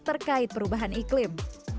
terkait perubahan iklim